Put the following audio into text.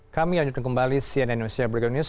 kami lanjutkan kembali cnn indonesia breaking news